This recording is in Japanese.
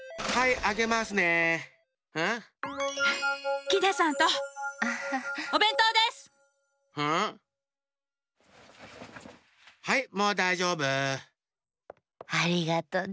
ありがとね